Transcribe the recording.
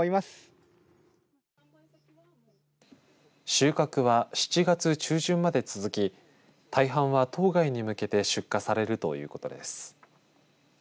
収穫は７月中旬まで続き大半は島外に向けて出荷されるということです。